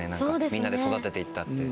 みんなで育てて行ったって。